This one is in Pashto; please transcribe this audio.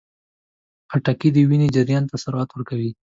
خټکی د وینې جریان ته سرعت ورکوي.